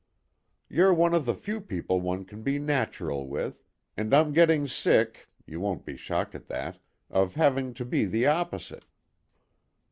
You're one of the few people one can be natural with, and I'm getting sick you won't be shocked at that of having to be the opposite."